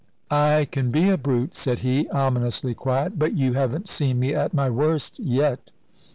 "I can be a brute," said he, ominously quiet; "but you haven't seen me at my worst yet."